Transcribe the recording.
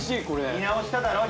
見直しただろう？